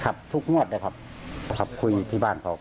ทุกงวดเลยครับครับคุยที่บ้านเขา